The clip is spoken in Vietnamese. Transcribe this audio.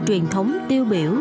truyền thống tiêu biểu